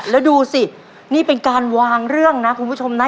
แล้วดูสินี่เป็นการวางเรื่องนะคุณผู้ชมนะ